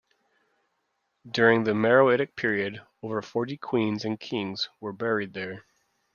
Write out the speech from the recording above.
During the Meroitic period, over forty queens and kings were buried there.